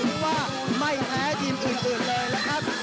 ที่ว่าไม่แพ้ทีมอื่นเลยนะครับ